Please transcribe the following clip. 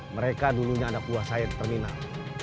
mereka dulunya ada kuasa di terminal